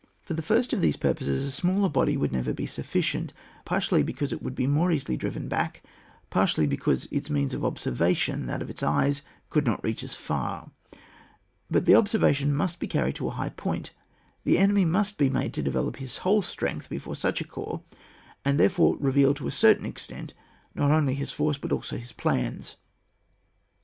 For the first of these purposes a smaller body would never be sufficient, partly be cause it would be more easily driven back, partly because its means of observation — that is its eyes— could not reach as far. But the observation must be carried to a high point ; the enemy must be made to develop his whole strength before such a coi*ps, and thereby reveal to a certain ex tent, not only his force, but also his plans.